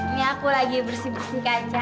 ini aku lagi bersih bersihkan kak